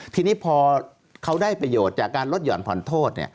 ทีนี้พอเขาได้ประโยชน์จากการลดห่อนผ่อนโทษ